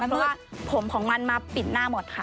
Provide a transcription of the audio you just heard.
เพราะว่าผมของมันมาปิดหน้าหมดค่ะ